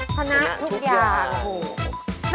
พนักทุกอย่าง